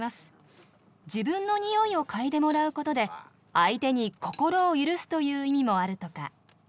自分のにおいを嗅いでもらうことで相手に心を許すという意味もあるとか。